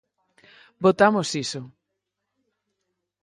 Votamos iso.